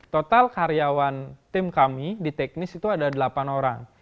total karyawan tim kami di teknis itu ada delapan orang